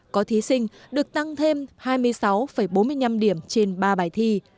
có thí sinh được tăng thêm hai mươi sáu bốn mươi năm điểm trên ba bài thi